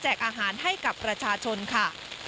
อาหารให้กับประชาชนค่ะ